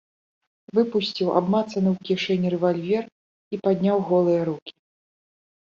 Выпусціў абмацаны ў кішэні рэвальвер і падняў голыя рукі.